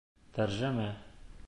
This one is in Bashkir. Тәржемә